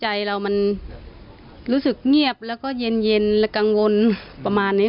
ใจเรามันรู้สึกเงียบแล้วก็เย็นและกังวลประมาณนี้